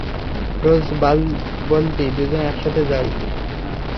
রোজ বলতি দুজন একসাথে যাই।